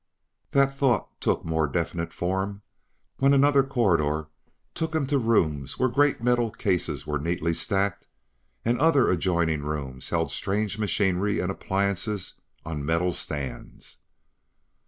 That thought took more definite form when another corridor took him to rooms where great metal cases were neatly stacked; other adjoining rooms held strange machinery and appliances on metal stands.